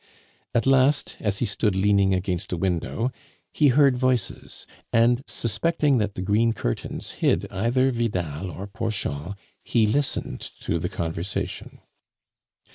At last, as he stood leaning against a window, he heard voices, and suspecting that the green curtains hid either Vidal or Porchon, he listened to the conversation.